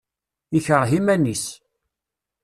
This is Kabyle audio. Ikreh iman-is.